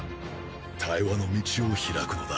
対話の道を開くのだ。